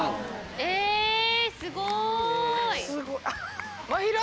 えすごい。